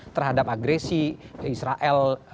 terhadap agresi israel